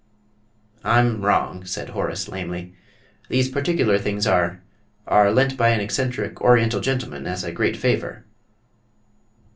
"I'm wrong," said Horace, lamely; "these particular things are are lent by an eccentric Oriental gentleman, as a great favour."